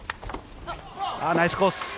ナイスコース。